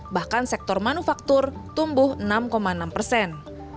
bahkan sektor manufaktur tumbuh enam enam persen